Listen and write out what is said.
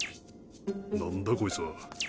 何だこいつは。